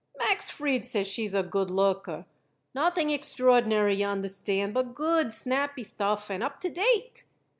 "Max Fried says she is a good looker. Nothing extraordinary, y'understand, but good, snappy stuff and up to date."